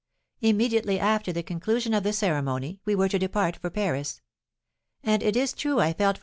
Immediately after the conclusion of the ceremony, we were to depart for Paris; and it is true I felt for M.